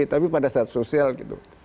tapi pada saat sosial gitu